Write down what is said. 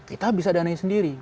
kita bisa danain sendiri